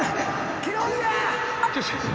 清宮！